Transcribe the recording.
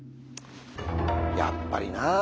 やっぱりなあ。